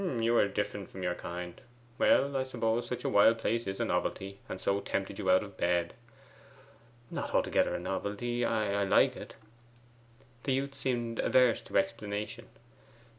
'You are different from your kind. Well, I suppose such a wild place is a novelty, and so tempted you out of bed?' 'Not altogether a novelty. I like it.' The youth seemed averse to explanation.